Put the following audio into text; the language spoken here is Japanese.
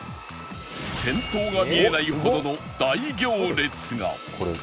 先頭が見えないほどの大行列が